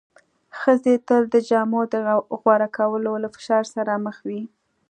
ښځې تل د جامو د غوره کولو له فشار سره مخ وې.